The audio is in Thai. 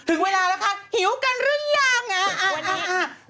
ถึงเวลาแล้วค่ะหิวกันหรือยังอ่ะ